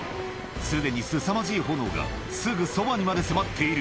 すでにすさまじい炎が、すぐそばにまで迫っている。